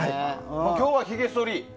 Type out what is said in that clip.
今日はひげそり。